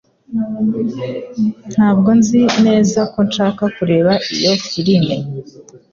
Ntabwo nzi neza ko nshaka kureba iyo firime.